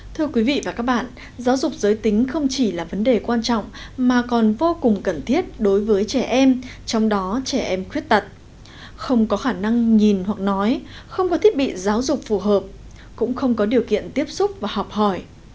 thưa quý vị và các bạn giáo dục giới tính không chỉ là vấn đề quan trọng mà còn vô cùng cần thiết đối với trẻ em trong đó trẻ em khuyết tật không có khả năng nhìn hoặc nói không có thiết bị giáo dục phù hợp cũng không có điều kiện tiếp xúc và học hỏi